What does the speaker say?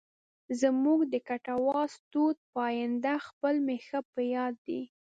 زموږ د کټواز ټوټ پاینده خېل مې ښه په یاد دی.